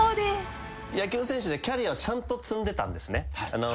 野球選手でキャリアちゃんと積んでたんですね。